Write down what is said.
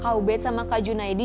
kau bet sama kak junaidi